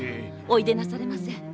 おいでなされませ。